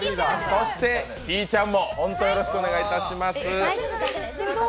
そして、ひぃちゃんもよろしくお願いします。